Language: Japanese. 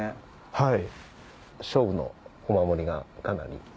はい。